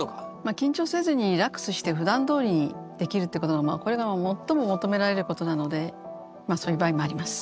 緊張せずにリラックスしてふだんどおりにできるってことがこれが最も求められることなのでそういう場合もあります。